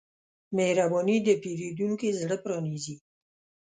مهرباني د پیرودونکي زړه پرانیزي.